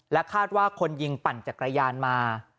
คาดว่าคนยิงปั่นจักรยานมา